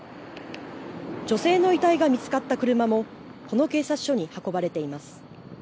女性の遺体が見つかった車もこの警察署に運ばれています。